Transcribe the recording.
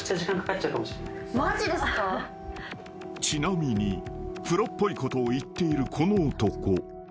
［ちなみにプロっぽいことを言っているこの男］